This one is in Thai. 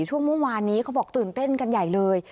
ช่วงเมื่อวานนี้เขาบอกตื่นเต้นกันใหญ่เลย